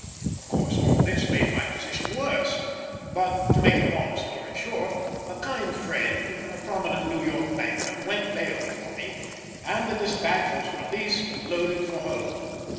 Of course all this made my position worse, but, to make a long story short, a kind friend, a prominent New York banker, went bail for me, and the Despatch was released and loaded for home.